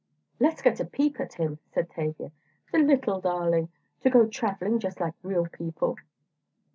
"Let's get a peep at him," said Tavia, "the little darling, to go travelling just like real people!"